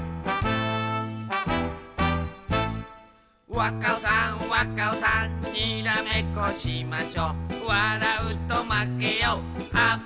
わっカオさんわっカオさんにらめっこしましょわらうとまけよあっ